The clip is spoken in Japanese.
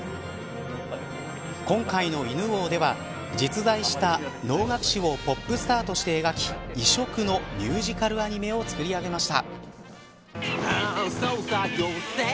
今回の犬王では、実在した能楽師をポップスターとして描き異色のミュージカルアニメを作り上げました。